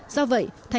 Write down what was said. do vậy tp hcm